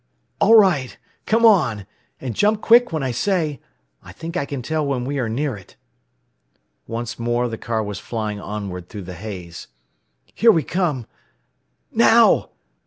"All right! Come on! And jump quick when I say! I think I can tell when we are near it." Once more the car was flying onward through the haze. "Here we come! _Now!